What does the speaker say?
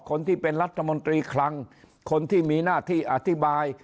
คนที่เป็นรัฐมนตรีคลังคนที่มีหน้าที่อธิบาย